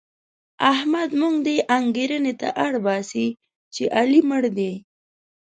احمد موږ دې انګېرنې ته اړباسي چې علي مړ دی.